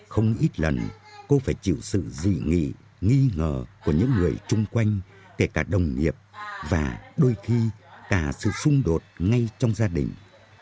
không ít lần cô phải chịu sự dị nghị nghi ngờ của những người chung quanh kể cả đồng nghiệp và đôi khi cả sự xung đột ngay trong gia đình